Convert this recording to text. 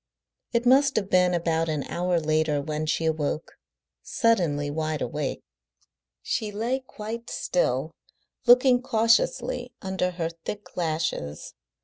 It must have been about an hour later when she awoke, suddenly wide awake. She lay quite still, looking cautiously under her thick lashes.